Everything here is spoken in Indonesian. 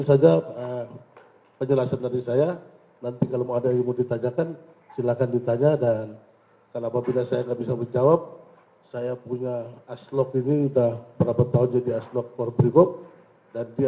saya pernah waktu itu saya masih mayor saya masih daniel blokor saya gunakan itu yang dari bidan